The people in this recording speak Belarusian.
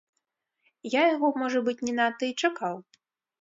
Я яго, можа быць, не надта і чакаў.